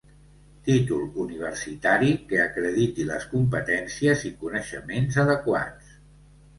Títol universitari que acrediti les competències i coneixements adequats.